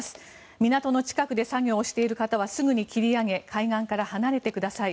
港の近くで作業をしている方はすぐに切り上げ海岸から離れてください。